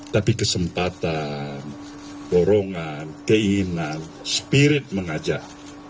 tapi kesempatan dorongan keinginan spirit mengajak